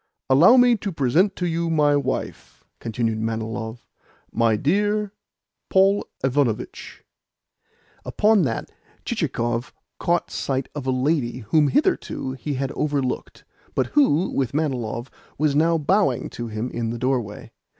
"Allow me to present to you my wife," continued Manilov. "My dear Paul Ivanovitch." Upon that Chichikov caught sight of a lady whom hitherto he had overlooked, but who, with Manilov, was now bowing to him in the doorway.